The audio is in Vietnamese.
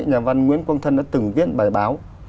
nhà văn nguyễn quang thân đã từng viết bài báo